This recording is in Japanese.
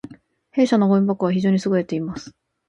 弊社のごみ箱は非常に優れています